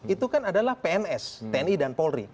itu kan adalah pns tni dan polri